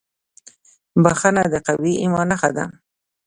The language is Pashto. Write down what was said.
• بښنه د قوي ایمان نښه ده.